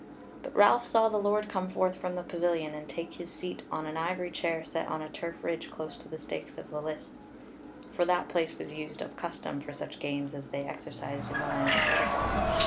But Ralph saw the Lord come forth from the pavilion and take his seat on an ivory chair set on a turf ridge close to the stakes of the lists: for that place was used of custom for such games as they exercised in the lands of Utterbol.